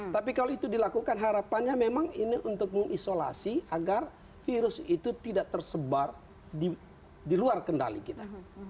tapi kalau itu dilakukan harapannya memang ini untuk mengisolasi agar virus itu tidak tersebar di luar kendali kita